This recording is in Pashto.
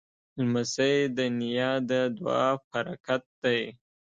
لمسی د نیا د دعا پرکت دی.